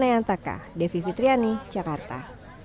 saya yantaka devi fitriani jakarta